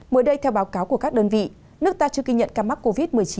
mới đây theo báo cáo của các đơn vị nước ta chưa ghi nhận ca mắc covid một mươi chín